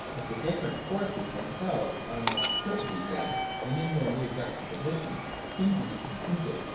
But the dif ferent forces themselves are a multiplicity again, and in their mere juxtaposition seem to be contingent.